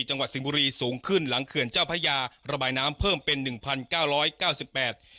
สิ่งบุรีสูงขึ้นหลังเขื่อนเจ้าพระยาระบายน้ำเพิ่มเป็นหนึ่งพันเก้าร้อยเก้าสิบแปด